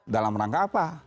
dalam rangka apa